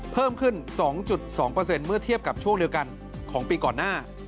เพิ่มขึ้น๒๒เมื่อเทียบกับช่วงเดียวกันของปีก่อนหน้า